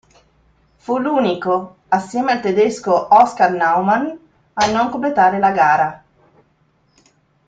Fu l'unico, assieme al tedesco Oscar Naumann, a non completare la gara.